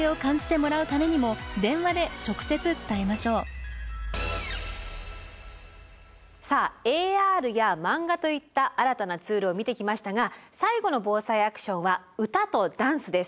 エアコンのさあＡＲやマンガといった新たなツールを見てきましたが最後の「ＢＯＳＡＩアクション」は歌とダンスです。